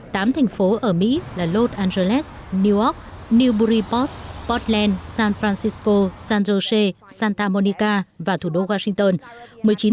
tám thành phố ở mỹ là los angeles newark newburyport portland san francisco san jose santa monica và thủ đô washington